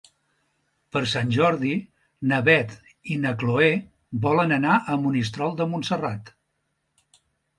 Per Sant Jordi na Beth i na Chloé volen anar a Monistrol de Montserrat.